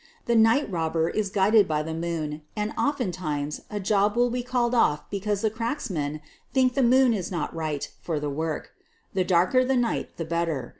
The night robber is guided by the moon, and oftentimes a job will be called off be cause the cracksmen think the moon is not right for the work. The darker the night the better.